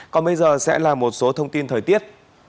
còn bây giờ sẽ là một số thông tin thời tiết